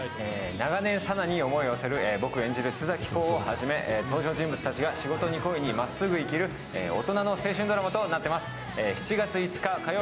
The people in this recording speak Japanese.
長年、佐奈に思いを寄せる功ら登場人物たちが仕事に恋にまっすぐ生きる、大人の青春ドラマとなっています。